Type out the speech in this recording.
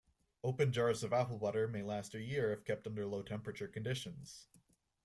Opened jars of apple butter may last a year if kept under low-temperature conditions.